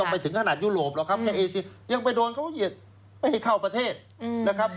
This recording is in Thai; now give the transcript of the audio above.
ไปถึงขนาดยุโรปหรอกครับแค่เอเซียยังไปโดนเขาเหยียดไม่ให้เข้าประเทศนะครับ